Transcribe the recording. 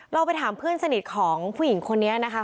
เราไปถามเพื่อนสนิทของผู้หญิงคนนี้นะคะ